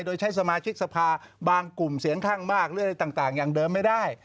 โดยใช้สมาชิกสภาบางกลุ่มเสียงข้างมากหรืออะไรต่างอย่างเดิมไม่ได้